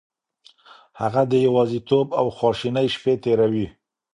هغه د يوازيتوب او خواشينۍ شپې تېروي.